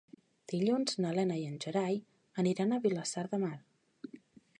Dilluns na Lena i en Gerai aniran a Vilassar de Mar.